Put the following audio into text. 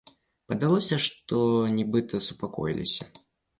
Падалося, што нібыта супакоіліся.